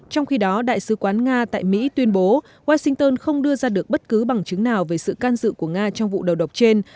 trong khi đó đại sứ quán nga tại mỹ tuyên bố washington không đưa ra được bất cứ bằng chứng nào về sự can dự của nga trong vụ đầu độc trên